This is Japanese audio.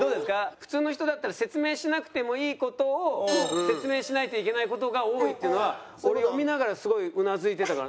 普通の人だったら説明しなくてもいい事を説明しないといけない事が多いっていうのは俺読みながらすごいうなずいてたから。